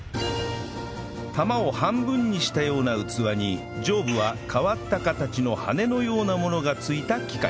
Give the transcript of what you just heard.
玉を半分にしたような器に上部は変わった形の羽のようなものが付いた機械